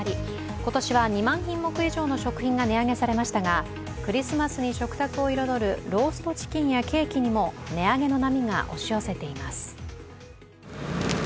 今年は２品目以上の食品が値上げされましたが、クリスマスに食卓を彩るローストチキンやケーキにも値上げの波が押し寄せています。